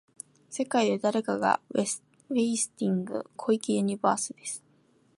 世界で誰かがウェイティング、小池ユニバースです。